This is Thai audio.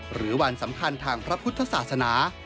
หรือวันสำคัญทางพระพุทธศาสนา